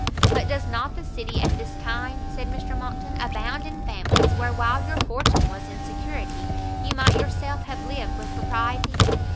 "But does not the city at this time," said Mr Monckton, "abound in families where, while your fortune was in security, you might yourself have lived with propriety?